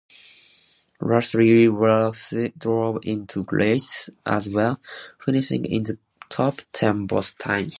Rusty Wallace drove in two races as well, finishing in the top-ten both times.